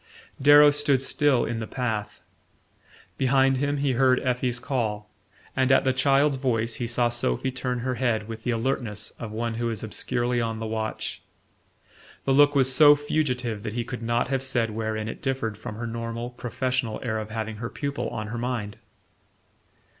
Darrow stood still in the path. Behind him he heard Effie's call, and at the child's voice he saw Sophy turn her head with the alertness of one who is obscurely on the watch. The look was so fugitive that he could not have said wherein it differed from her normal professional air of having her pupil on her mind.